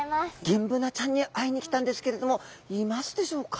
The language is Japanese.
ギンブナちゃんに会いに来たんですけれどもいますでしょうか？